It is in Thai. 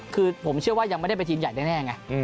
คือผมเชื่อว่ายังไม่ได้เป็นทีมใหญ่แน่ไง